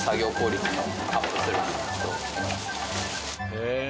へえ。